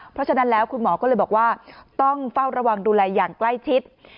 เพราะฉะนั้นแล้วคุณหมอก็เลยบอกว่าต้องเฝ้าระวังดูแลอย่างใกล้ชิด